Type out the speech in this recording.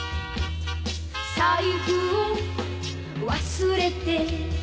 「財布を忘れて」